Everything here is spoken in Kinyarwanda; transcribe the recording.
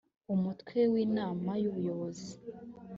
umutwe wa inama y ubuyobozi